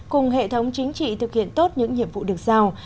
cùng hệ thống chính trị thực hiện tốt những nhiệm vụ được giao